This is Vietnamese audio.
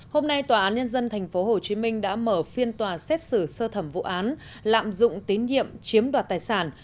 hôm nay tòa án nhân dân tp hcm đã mở phiên tòa xét xử sơ thẩm vụ án lạm dụng tín nhiệm chiếm đoạt tài sản